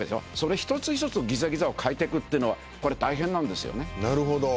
一つ一つをギザギザを変えてくってのはこれ大変なんですよね。